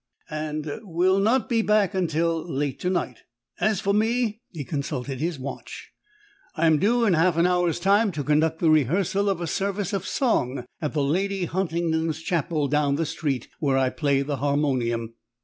" and will not be back until late to night. As for me," he consulted his watch, "I am due in half an hour's time to conduct the rehearsal of a service of song at the Lady Huntingdon's Chapel, down the street, where I play the harmonium."